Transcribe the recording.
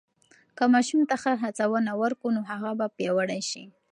که ماشوم ته ښه هڅونه ورکو، نو هغه به پیاوړی شي.